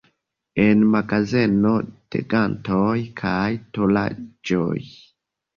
En magazeno de gantoj kaj tolaĵoj.